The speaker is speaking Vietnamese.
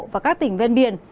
và các tỉnh bên biển